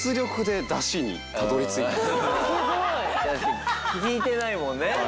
すごい！だって聞いてないもんね。